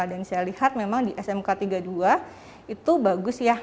dan saya lihat memang di smk tiga puluh dua itu bagus ya